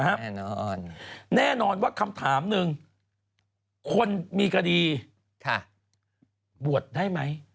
แน่นอนแน่นอนว่าคำถามหนึ่งคนมีคดีบวชได้ไหม